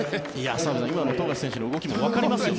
澤部さん、今の富樫選手の動きもわかりますよね。